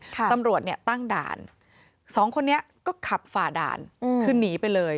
ตำรวจเนี่ยตั้งด่านสองคนนี้ก็ขับฝ่าด่านคือหนีไปเลย